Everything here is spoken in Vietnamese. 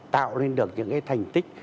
tạo nên được những cái thành tích